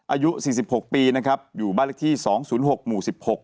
อายุ๔๖ปีนะครับอยู่บ้านเลขที่๒๐๖หมู่๑๖